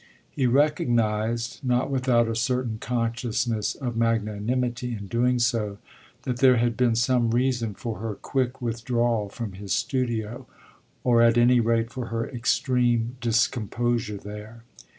He recognised, not without a certain consciousness of magnanimity in doing so, that there had been some reason for her quick withdrawal from his studio or at any rate for her extreme discomposure there.